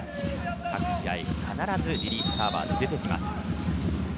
この選手も各試合、必ずリリーフサーバーで出てきます。